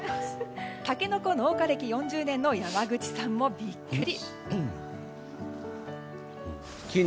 タケノコ農家歴４０年の山口さんもビックリ。